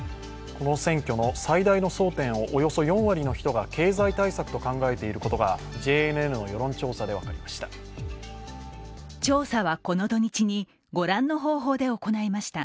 この選挙の最大の争点をおよそ４割の人が経済対策と考えていることがＪＮＮの世論調査で分かりました。